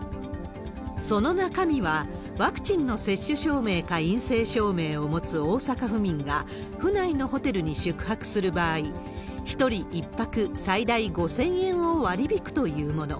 その中身はワクチンの接種証明か陰性証明を持つ大阪府民が、府内のホテルに宿泊する場合、１人１泊最大５０００円を割り引くというもの。